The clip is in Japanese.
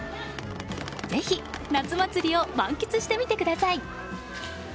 ぜひ夏祭りを満喫してみてください。